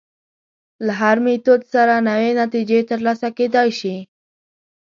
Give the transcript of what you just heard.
له هر میتود سره نوې نتیجې تر لاسه کېدای شي.